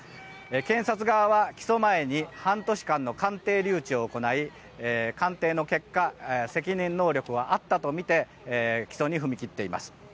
検察側は起訴前に半年間の鑑定留置を行い鑑定の結果責任能力はあったとみて起訴に踏み切っています。